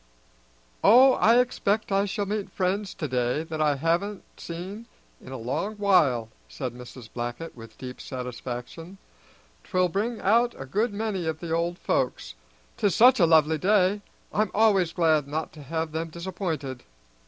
"Oh, I expect I shall meet friends today that I haven't seen in a long while," said Mrs. Blackett with deep satisfaction. "'Twill bring out a good many of the old folks, 'tis such a lovely day. I'm always glad not to have them disappointed."